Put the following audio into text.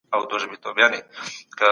ایا ستا په فکر کي د سبا د هیلو رڼا سته؟